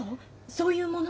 そういうもの？